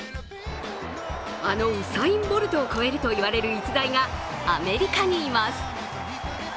あのウサイン・ボルトを超えると言われる逸材がアメリカにいます。